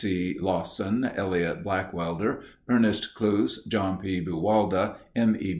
C. Lawson, Eliot Blackwelder, Ernst Cloos, John P. Buwalda, M. E.